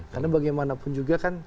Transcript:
karena bagaimanapun juga kan